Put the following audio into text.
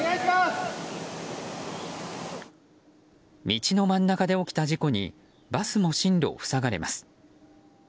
道の真ん中で起きた事故にバスの進路を塞がれます。